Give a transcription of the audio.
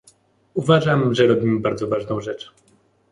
Uważam, że robimy bardzo ważną rzecz